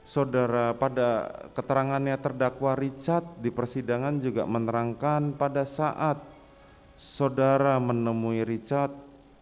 saudara pada keterangannya terdakwa richard di persidangan juga menerangkan pada saat saudara menemui richard